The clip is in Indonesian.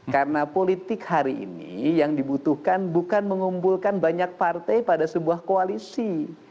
karena politik hari ini yang dibutuhkan bukan mengumpulkan banyak partai pada sebuah koalisi